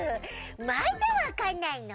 まだわかんないの？